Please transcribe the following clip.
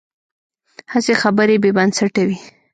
هسې خبرې بې بنسټه وي.